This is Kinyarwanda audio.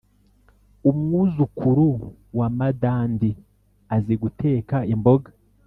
umwuzukuru wa madandi azi guteka imboga.